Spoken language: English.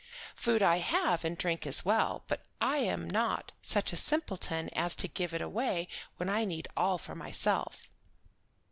"Food I have and drink as well, but I am not such a simpleton as to give it away when I need all for myself."